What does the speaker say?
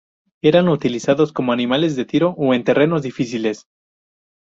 Eran utilizados como animales de tiro o en terrenos difíciles.